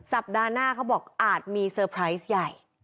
สัปดาห์หน้าเขาบอกอาจมีเซอร์ไพรส์ใหญ่